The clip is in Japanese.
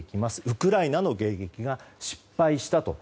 ウクライナの迎撃が失敗したと。